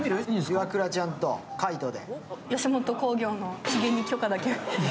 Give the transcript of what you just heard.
イワクラちゃんと海音で。